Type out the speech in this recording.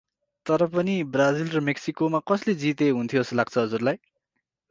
तर पनि, ब्राजिल र मेक्सिको मा कस्ले जिते हुन्थ्यो जस्तो लाग्छ हजुरलाई?